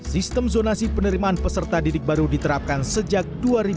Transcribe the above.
sistem zonasi penerimaan peserta didik baru diterapkan sejak dua ribu dua puluh